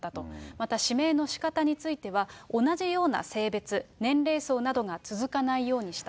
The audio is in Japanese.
また指名のしかたについては、同じような性別、年齢層などが続かないようにした。